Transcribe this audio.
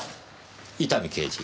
伊丹刑事。